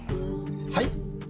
はい⁉